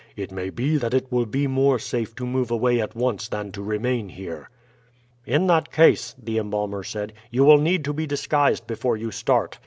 "It may be that it will be more safe to move away at once than to remain here." "In that case," the embalmer said, "you will need to be disguised before you start.